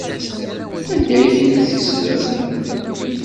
Anda ay tent-tettlem?